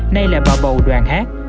nay là bà bầu đoàn hát